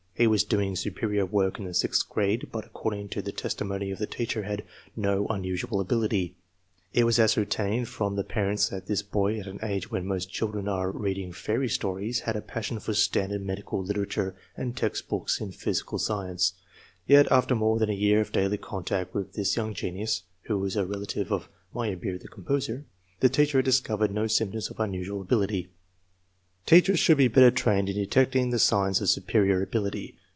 He was doing superior work iu the sixth grade, but according to the testimony of the teacher had " no unusual ability/* It was ascertained 14 THE MEASUREMENT OF INTELLIGENCE from the parents that this boy, at an age when most chil dren are reading fairy stories, had a passion for standard medical literature and textbooks in physical science. Yet, after more than a year of daily contact with this young genius (who is a relative of Meyerbeer, the composer), the teacher had discovered no symptoms of unusual ability. 1 Teachers should be better trained in delecting the signs of superior ability.